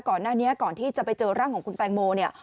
ก่อนหน้านี้ก่อนที่จะไปเจอร่างของคุณแตงโมเนี่ย